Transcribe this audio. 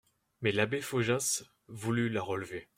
Mais l'abbé Faujas voulut la relever.